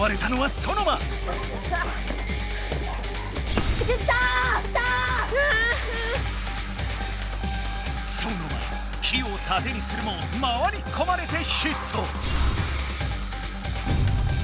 ソノマ木をたてにするも回りこまれてヒット！